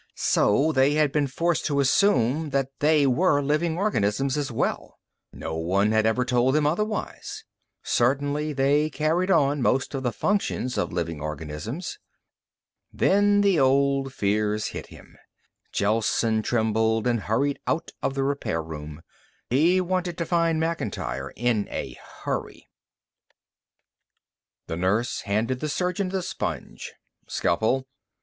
So they had been forced to assume that they were living organisms, as well. No one had ever told them otherwise. Certainly they carried on most of the functions of living organisms. Then the old fears hit him. Gelsen trembled and hurried out of the repair room. He wanted to find Macintyre in a hurry. The nurse handed the surgeon the sponge. "Scalpel."